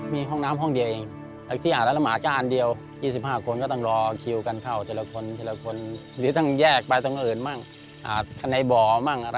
มีห้องน้ำห้องเดียวเองที่อาบน้ำละหมาก็อันเดียว๒๕คนก็ต้องรอคิวกันเข้าเจอละคนหรือต้องแยกไปตรงอื่นบ้างอาบในบ่อบ้างอะไรบ้างอย่างนี้นะครับ